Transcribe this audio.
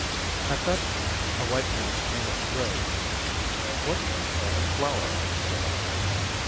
At that moment a white man came up the road. "What do you call this flower?" said I.